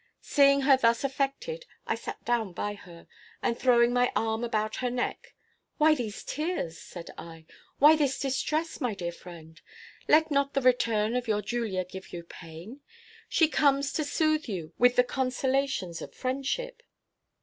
Seeing her thus affected, I sat down by her, and, throwing my arm about her neck, "Why these tears?" said I. "Why this distress, my dear friend? Let not the return of your Julia give you pain; she comes to soothe you with the consolations of friendship."